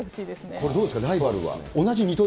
これどうですか、ライバルは？